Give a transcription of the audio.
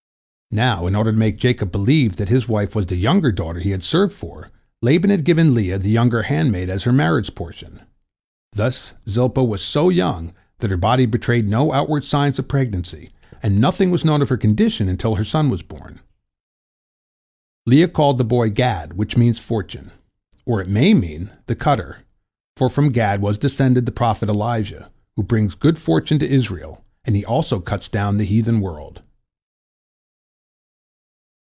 Now, in order to make Jacob believe that his wife was the younger daughter he had served for, Laban had given Leah the younger handmaid as her marriage portion. This Zilpah was so young that her body betrayed no outward signs of pregnancy, and nothing was known of her condition until her son was born. Leah called the boy Gad, which means "fortune," or it may mean "the cutter," for from Gad was descended the prophet Elijah, who brings good fortune to Israel, and he also cuts down the heathen world.